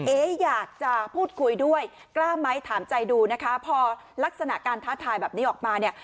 อยากจะพูดคุยด้วยกล้าไหมถามใจดูนะคะพอลักษณะการท้าทายแบบนี้ออกมาเนี่ย